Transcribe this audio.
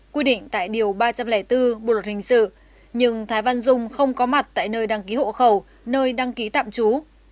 quy định tại điều ba trăm linh bốn bộ luật hình sự nhưng thái văn dung không có mặt tại nơi đăng ký hộ khẩu nơi đăng ký tạm trú